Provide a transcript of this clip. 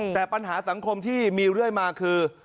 แต่ปัญหาสังคมที่มีเรื่อยมาคือ